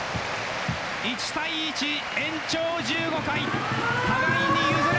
１対１延長１５回互いに譲らず！